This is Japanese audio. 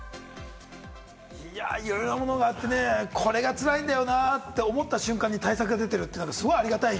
いや、いろいろなものがあってね、これがつらいんだよなって思った瞬間に対策グッズが出てるってすごいありがたい。